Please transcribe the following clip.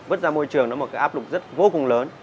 vứt ra môi trường nó một cái áp lực rất vô cùng lớn